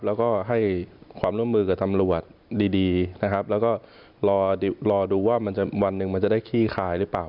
แล้วก็ให้ความร่วมมือกับตำรวจดีนะครับแล้วก็รอดูว่ามันจะวันหนึ่งมันจะได้ขี้คายหรือเปล่า